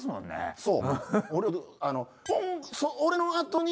そう。